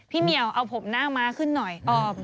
เหมียวเอาผมหน้าม้าขึ้นหน่อย